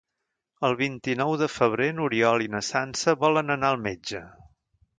El vint-i-nou de febrer n'Oriol i na Sança volen anar al metge.